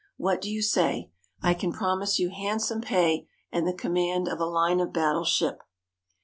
What do you say? I can promise you handsome pay, and the command of a line of battle ship."